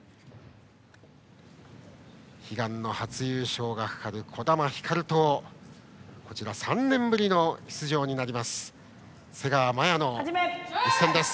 悲願の初優勝がかかる児玉ひかると３年ぶりの出場になります瀬川麻優の一戦です。